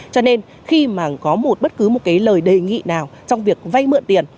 cho nên khi mà có một bất cứ lời đề nghị nào trong việc vây mượn tiền